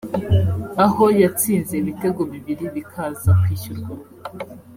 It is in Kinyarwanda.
aho yatsinze ibitego bibiri bikaza kwishyurwa